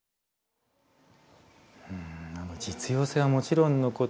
実用性はもちろんのこと